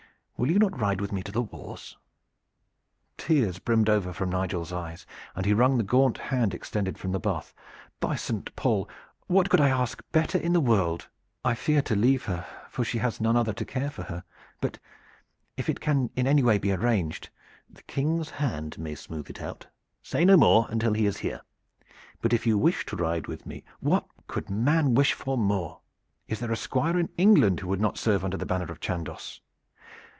Will you not ride with me to the wars?" The tears brimmed over from Nigel's eyes, and he wrung the gaunt hand extended from the bath. "By Saint Paul! what could I ask better in the world? I fear to leave her, for she has none other to care for her. But if it can in any way be arranged " "The King's hand may smooth it out. Say no more until he is here. But if you wish to ride with me " "What could man wish for more? Is there a Squire in England who would not serve under the banner of Chandos!